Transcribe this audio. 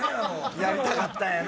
やりたかったんやな。